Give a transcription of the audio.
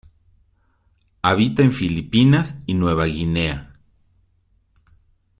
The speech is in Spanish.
Habita en Filipinas y Nueva Guinea.